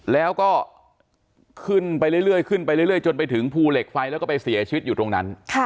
แล้วก็ขึ้นไปเรื่อยขึ้นไปเรื่อยจนไปถึงภูเหล็กไฟแล้วก็ไปเสียชีวิตอยู่ตรงนั้น